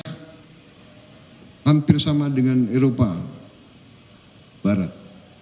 hampir sama dengan eropa barat